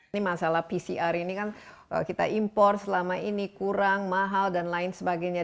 ini masalah pcr ini kan kalau kita impor selama ini kurang mahal dan lain sebagainya